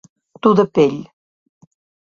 Dur de pell.